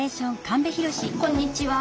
こんにちは。